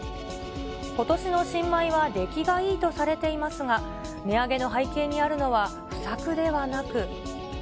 ことしの新米は出来がいいとされていますが、値上げの背景にあるのは、不作ではなく。